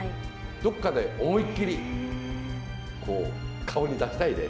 どっかで思いっ切り顔に出したいね。